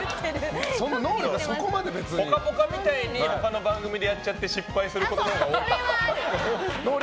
「ぽかぽか」みたいに他の番組でやっちゃって失敗することはある。